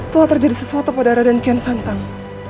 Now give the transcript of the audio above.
telah terjadi sesuatu pada raden kian santang